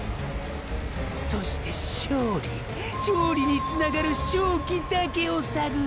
そして「勝利」ーー「勝利」につながる勝機だけをさぐる！！